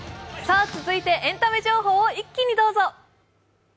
続いてエンタメ情報を一気にどうぞ。